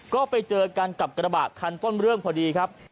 ก็ไปเจอกันกับกระบะคันต้นเรื่องพอดีครับ